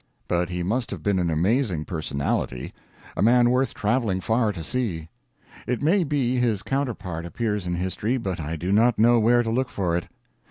But he must have been an amazing personality; a man worth traveling far to see. It may be his counterpart appears in history, but I do not know where to look for it.